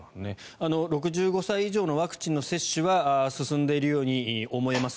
６５歳以上のワクチンの接種は進んでいるように思います。